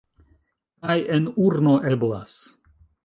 Kaj en urno eblas!